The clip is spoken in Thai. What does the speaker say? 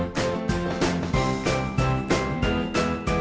มีความสุขในที่เราอยู่ในช่องนี้ก็คือความสุขในที่เราอยู่ในช่องนี้